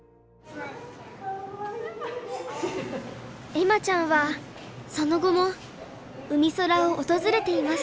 恵麻ちゃんはその後もうみそらを訪れていました。